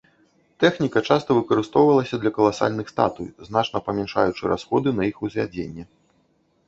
Тэхніка часта выкарыстоўвалася для каласальных статуй, значна памяншаючы расходы на іх узвядзенне.